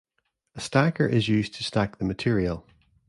A stacker is used to stack the material.